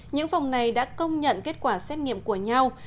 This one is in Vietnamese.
những phòng này đã công nhận kết quả xét nghiệm của nhau